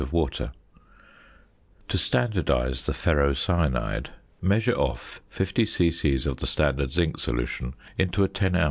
of water. To standardise the "ferrocyanide" measure off 50 c.c. of the standard zinc solution into a 10 oz.